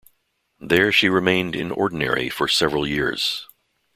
There she remained in ordinary for several years.